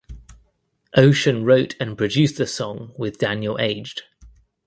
Ocean wrote and produced the song with Daniel Aged.